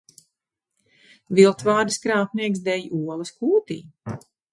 Viltvārdis krāpnieks dēj olas kūtī.